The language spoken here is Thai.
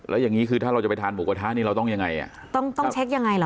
แล้วอย่างงี้คือถ้าเราจะไปทานหมูกระทะนี่เราต้องยังไงอ่ะต้องต้องเช็คยังไงเหรอ